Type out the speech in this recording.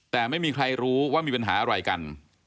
แต่ไม่มีใครรู้ว่ามีปัญหาอะไรกัน